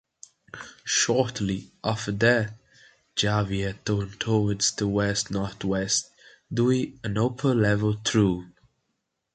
Shortly after that, Javier turned towards the west-northwest due an upper-level trough.